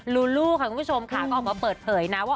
ลูลูลูลูค่ะก็ออกมาเปิดเผยนะว่า